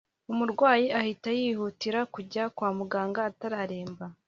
umurwayi ahita yihutira kujya kwa muganga atararemba